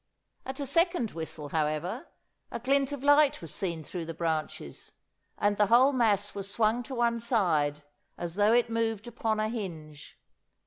At a second whistle, however, a glint of light was seen through the branches, and the whole mass was swung to one side as though it moved upon a hinge.